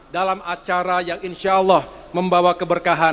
dalam acara yang insyaallah membawa keberkahan